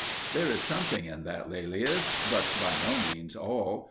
There is something in that, Laelius, but by no means all.